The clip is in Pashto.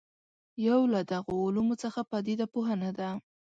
یو له دغو علومو څخه پدیده پوهنه ده.